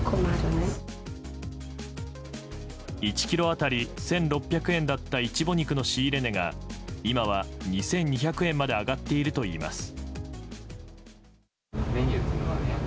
１ｋｇ当たり１６００円だったイチボ肉の仕入れ値が今は２２００円まで上がっているといいます。